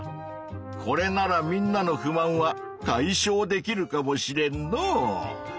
これならみんなの不満は解消できるかもしれんのう。